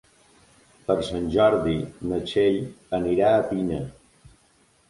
Per Sant Jordi na Txell anirà a Pina.